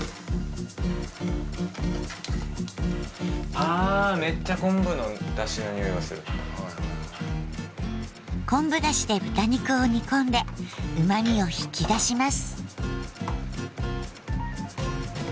あめっちゃ昆布だしで豚肉を煮込んでうまみを引き出します。